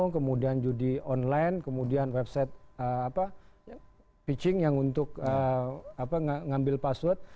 kemudian judi online kemudian website pitching yang untuk ngambil password